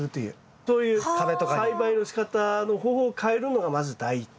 そういう栽培のしかたの方法を変えるのがまず第１点ですよね。